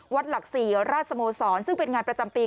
หลักศรีราชสโมสรซึ่งเป็นงานประจำปี